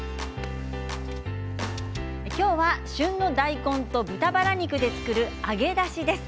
今日は旬の大根と豚バラ肉で作る揚げ出しです。